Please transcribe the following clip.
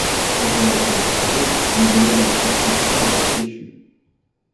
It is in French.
Quand elle a été retrouvée, le délai de prescription était échu.